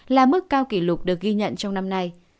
là mức cao kỷ lục được ghi nhận trong năm nay